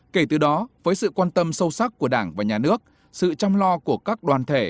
kể từ đó với sự quan tâm sâu sắc của đảng và nhà nước sự chăm lo của các đoàn thể